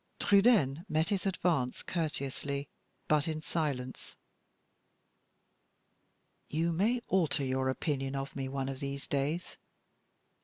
Trudaine met his advance courteously, but in silence. "You may alter your opinion of me one of these days."